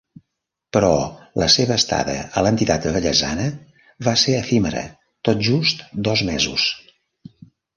Però la seva estada a l'entitat vallesana va ser efímera, tot just dos mesos.